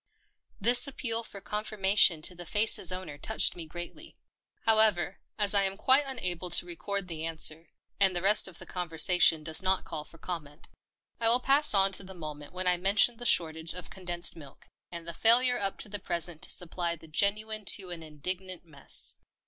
This appeal for confirmation to the face's owner touched me greatly. However, as I am quite unable to record the answer — and the rest of the conversation does not call for comment — I will pass on to the moment when I mentioned the shortage of condensed milk, and the failure up to the present to supply the genuine to an indignant mess.